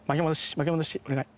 巻き戻してお願い。